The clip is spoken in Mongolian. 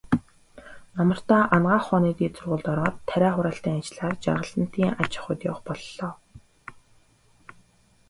Намартаа Анагаах ухааны дээд сургуульд ороод, тариа хураалтын ажлаар Жаргалантын аж ахуйд явах боллоо.